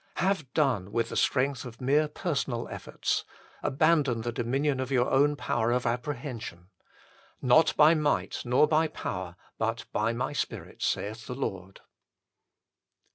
Have done with the strength of mere personal efforts ; abandon the dominion of your 74 THE FULL BLESSING OF PENTECOST own power of apprehension. " Not by might, nor by power, but by My Spirit, saith the Lord."